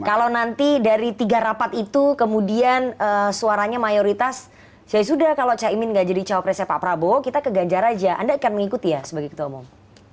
kalau nanti dari tiga rapat itu kemudian suaranya mayoritas ya sudah kalau caimin gak jadi cawapresnya pak prabowo kita ke ganjar aja anda akan mengikuti ya sebagai ketua umum